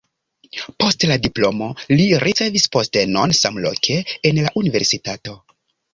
Post la diplomo li ricevis postenon samloke en la universitato.